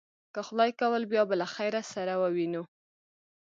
که خدای کول، بیا به له خیره سره ووینو.